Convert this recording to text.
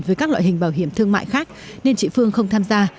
với các loại hình bảo hiểm thương mại khác nên chị phương không tham gia